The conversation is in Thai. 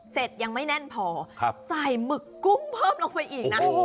ยังไม่แน่นพอใส่หมึกกุ้งเพิ่มลงไปอีกนะ